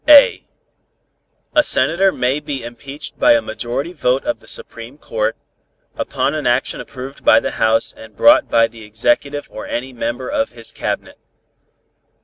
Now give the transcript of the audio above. (a) A Senator may be impeached by a majority vote of the Supreme Court, upon an action approved by the House and brought by the Executive or any member of his Cabinet.